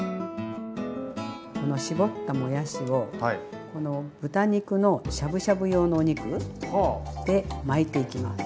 この絞ったもやしをこの豚肉のしゃぶしゃぶ用のお肉で巻いていきます。